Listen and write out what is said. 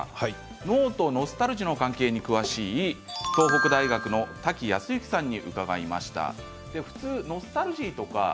脳とノスタルジーの関係に詳しい東北大学の瀧靖之さんに伺いました。